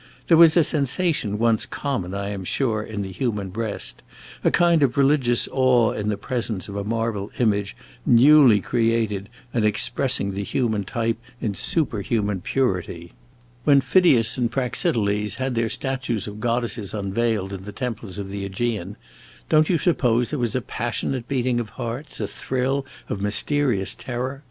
There was a sensation once common, I am sure, in the human breast a kind of religious awe in the presence of a marble image newly created and expressing the human type in superhuman purity. When Phidias and Praxiteles had their statues of goddesses unveiled in the temples of the AEgean, don't you suppose there was a passionate beating of hearts, a thrill of mysterious terror?